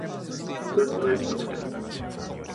肉厚なやつ食べたい。